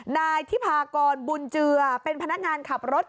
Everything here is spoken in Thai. นายทิพากรบุญเจือเป็นพนักงานขับรถ